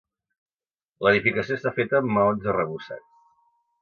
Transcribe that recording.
L'edificació està feta amb maons arrebossats.